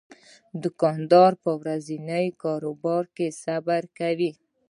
دوکاندار په ورځني کاروبار کې صبر کوي.